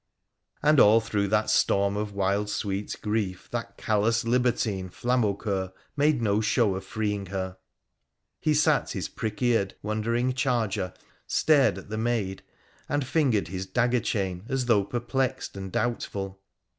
And all through that storm of wild, sweet grief that callous libertine, Flamaucceur, made no show of freeing her. He sat his prick eared, wondering charger, stared at the maid, and fingered his dagger chain as though perplexed and doubtful.